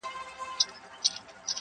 بس یوازي د یوه سړي خپلیږي!.